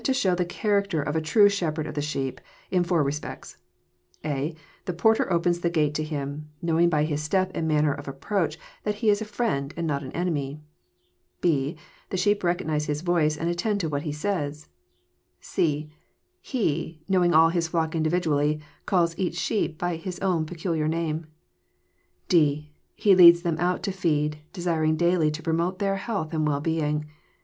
to show the character of a trae shepherd of sheep, la fonr respects, (a) The porter opens the gate to him, knowing by his step and manner of approach, that he is a friend, and not an enemy, (b) The sheep recognize his voice, and attend to what he says, (c) He, knowing all his flock individnally, calls each sheep by his own peculiar name, (d) He leads them out to feed, desiring daily to promote their health and well being.